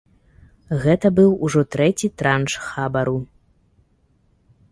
Гэта быў ужо трэці транш хабару.